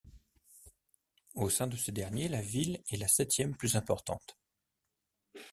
Au sein de ce dernier, la ville est la septième plus importante.